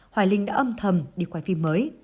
hoài linh đã âm thầm đi quay phim mới